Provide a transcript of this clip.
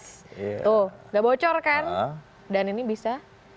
tuh nggak bocor kan dan ini bisa